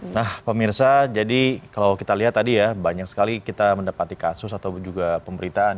nah pemirsa jadi kalau kita lihat tadi ya banyak sekali kita mendapati kasus atau juga pemberitaan